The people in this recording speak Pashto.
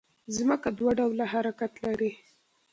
ځمکه دوه ډوله حرکت لري